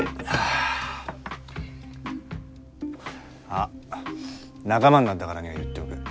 あ仲間になったからには言っておくよ。